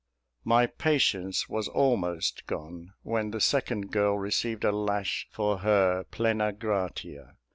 My patience was almost gone when the second girl received a lash for her "Plena Gratia."